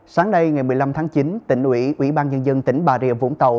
sáng nay ngày một mươi năm tháng chín tỉnh ủy ủy ban dân dân tỉnh bà rìa vũng tàu